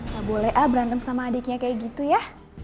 gak boleh ah berantem sama adiknya kayak gitu ya